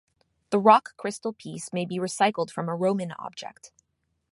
The rock crystal piece may be recycled from a Roman object.